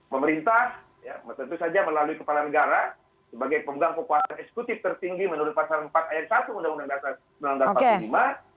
pemerintah tentu saja melalui kepala negara sebagai pemegang kekuasaan eksekutif tertinggi menurut pasal empat ayat satu undang undang dasar seribu sembilan ratus empat puluh lima